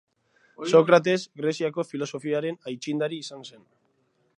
Sokrates Greziako filosofiaren aitzindari izan zen.